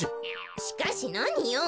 しかしなによん。